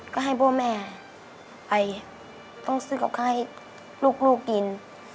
ก็ให้พ่อแม่ไปต้องซื้อกับข้าวให้ลูกกิน